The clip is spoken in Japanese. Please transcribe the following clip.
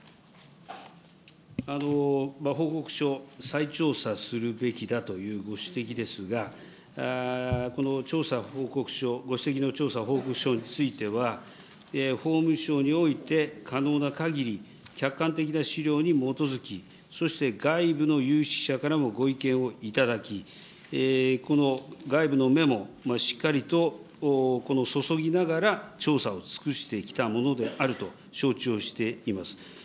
報告書、再調査するべきだというご指摘ですが、この調査報告書、ご指摘の調査報告書については、法務省において可能なかぎり、客観的な資料に基づき、そして外部の有識者からもご意見を頂き、この外部の目も、しっかりと注ぎながら調査を尽くしてきたものであると承知をしています。